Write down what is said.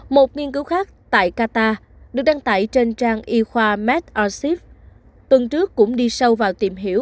một nghiên cứu khác tại qatar được đăng tải trên trang y khoa mart orship tuần trước cũng đi sâu vào tìm hiểu